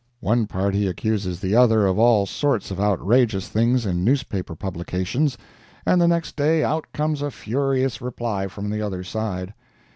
One party accuses the other of all sorts of outrageous things in newspaper publications, and the next day out comes a furious reply from the other side.